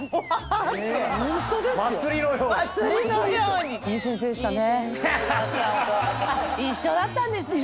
あっ一緒だったんですね。